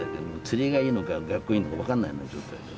釣りがいいのか学校がいいのか分かんないような状態でね。